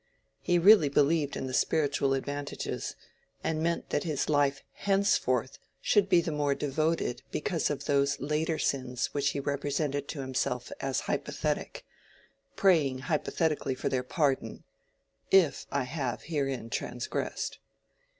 He really believed in the spiritual advantages, and meant that his life henceforth should be the more devoted because of those later sins which he represented to himself as hypothetic, praying hypothetically for their pardon:—"if I have herein transgressed."